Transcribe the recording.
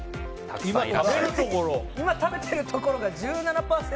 今食べてるところが１７％。